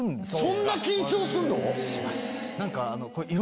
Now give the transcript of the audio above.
そんな緊張するの？